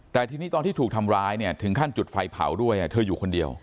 แต่ที่ตอนถูกทำร้ายถึงขั้นจุดไฟเผาด้วยท่ะเธออยู่คนเดียว